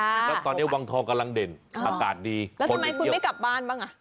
แล้วตอนนี้วังทองกำลังเด่นอากาศดีแล้วทำไมคุณไม่กลับบ้านบ้างอ่ะ